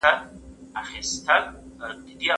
د پاڼو او چاپ مهال باید یو وي.